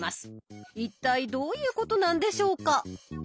一体どういうことなんでしょうか？